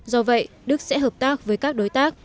do vậy đức sẽ hợp tác với các đối tác